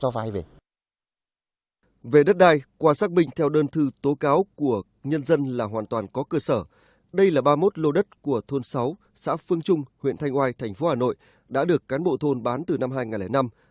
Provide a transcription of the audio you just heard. phương trung huyện thanh oai thành phố hà nội đã được cán bộ thôn bán từ năm hai nghìn năm